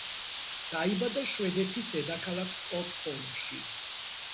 დაიბადა შვედეთის დედაქალაქ სტოკჰოლმში.